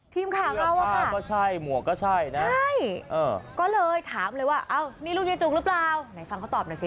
ทีมถามเราว่าค่ะใช่ก็เลยถามเลยว่านี่ลูกเย็นจุกหรือเปล่าฟังเขาตอบหน่อยสิ